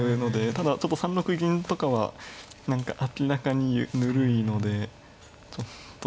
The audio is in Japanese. ただ３六銀とかは何か明らかにぬるいのでちょっと。